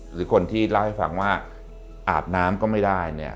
หรือคนที่เล่าให้ฟังว่าอาบน้ำก็ไม่ได้เนี่ย